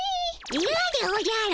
イヤでおじゃる。